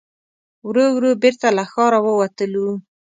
ورو ورو بېرته له ښاره ووتلو.